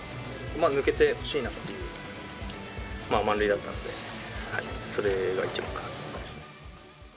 まあ、抜けてほしいなと、満塁だったので、それが一番かなと思います。